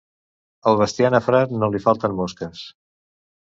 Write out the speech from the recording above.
Al bestiar nafrat no li falten mosques.